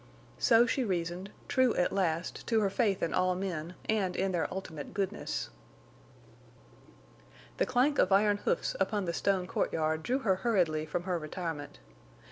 So she reasoned, true at last to her faith in all men, and in their ultimate goodness. The clank of iron hoofs upon the stone courtyard drew her hurriedly from her retirement.